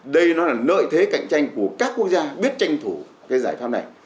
đây là nợi thế cạnh tranh của các quốc gia biết tranh thủ cái giải pháp này